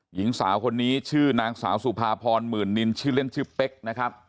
หญิงสาวคนนี้ชื่อนางสาวสุภาพรหมื่นนินชื่อเล่นชื่อเป๊กนะครับ